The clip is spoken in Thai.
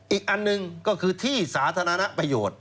อีกอันหนึ่งก็คือที่สาธารณประโยชน์